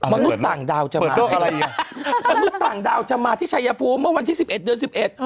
มนุษย์ต่างดาวจะมาที่ชัยภูมิเมื่อวันที่๑๑เดือน๑๑